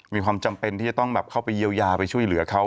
มีความจำเป็นที่จะต้องแบบเข้าไปเยียวยาไปช่วยเหลือเขา